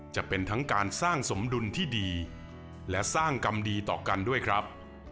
จะเป็นทั้งการสร้างสมดุลที่ดีและสร้างกรรมดีต่อกันด้วยครับ